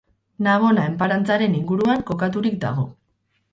Navona enparantzaren inguruan kokaturik dago.